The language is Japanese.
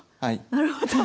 なるほど。